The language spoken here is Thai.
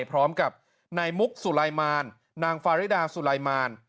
พร้อมกับนายมุกสุไลมารนางฟาริดาสุไลมาร